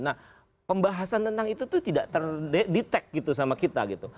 nah pembahasan tentang itu tuh tidak terdetek gitu sama kita gitu